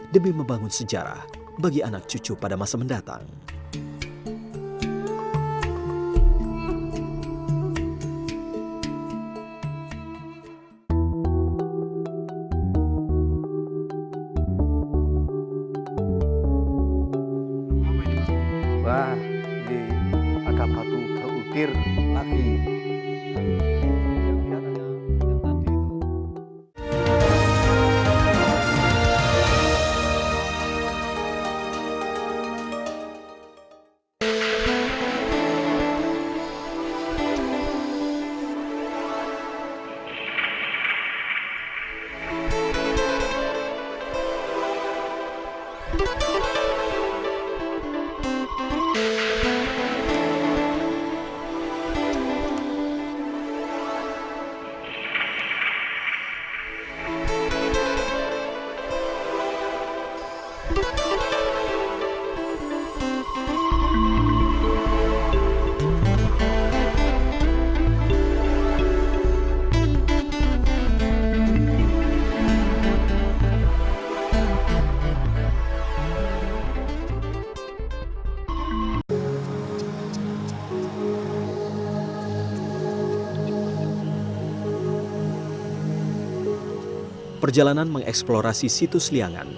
demi membangun sejarah bagi anak cucu pada masa mendatang